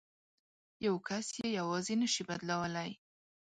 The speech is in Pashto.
یو کس یې یوازې نه شي بدلولای.